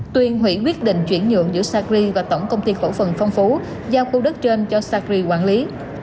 tuyên hủy quyết định chuyển nhượng giữa sacri và tổng công ty cổ phần phong phú giao khu đất trên cho sacri quản lý